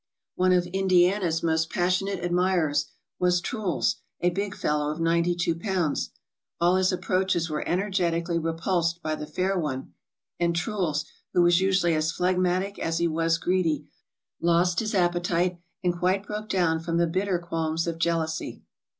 One of 'Indiana's' most passionate admirers was 'Truls,' a big fellow of 92 lbs. All his approaches were ener getically repulsed by the fair one, and ' Truls,' who was usually as phlegmatic as he was greedy, lost his appetite, and quite broke down from the bitter qualms of jealousy."